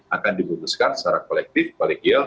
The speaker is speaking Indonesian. akan diputuskan secara kolektif kolegial